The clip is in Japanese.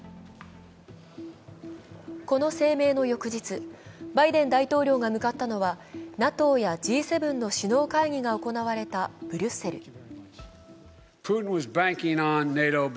この声明の翌日、バイデン大統領が向かったのはＮＡＴＯやＧ７の首脳会議が行われたブリュッセル。